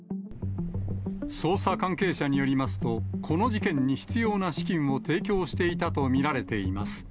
捜査関係者によりますと、この事件に必要な資金を提供していたと見られています。